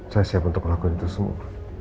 saya siap untuk melakukan itu semua